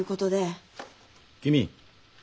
君？